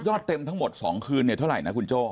เต็มทั้งหมด๒คืนเนี่ยเท่าไหร่นะคุณโจ้